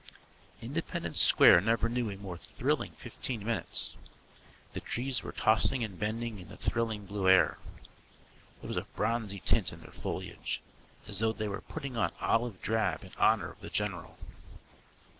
Independence Square never knew a more thrilling fifteen minutes. The trees were tossing and bending in the thrilling blue air. There was a bronzy tint in their foliage, as though they were putting on olive drab in honour of the general.